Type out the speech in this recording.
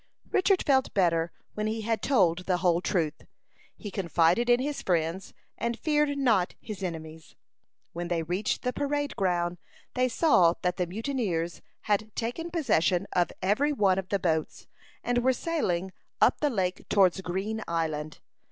Richard felt better when he had told the whole truth. He confided in his friends, and feared not his enemies. When they reached the parade ground they saw that the mutineers had taken possession of every one of the boats, and were sailing up the lake towards Green Island.